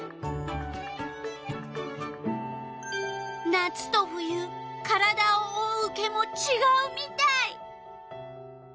夏と冬体をおおう毛もちがうみたい。